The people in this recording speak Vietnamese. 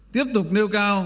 tiếp tục nêu cao